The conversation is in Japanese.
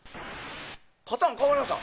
パターン変わりました？